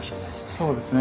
そうですね。